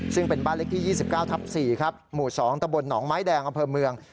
ซึ่งเป็นบ้านเล็กที่๒๙ทับ๔ครับหมู่๒ตะบลหนองไม้แดงอำเภอเมือง